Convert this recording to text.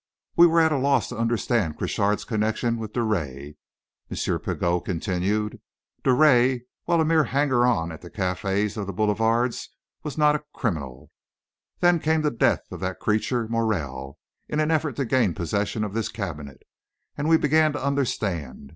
"We were at a loss to understand Crochard's connection with Drouet," M. Pigot continued. "Drouet, while a mere hanger on of the cafés of the boulevards, was not a criminal. Then came the death of that creature Morel, in an effort to gain possession of this cabinet, and we began to understand.